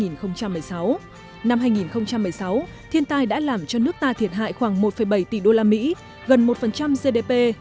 năm hai nghìn một mươi sáu thiên tai đã làm cho nước ta thiệt hại khoảng một bảy tỷ usd gần một gdp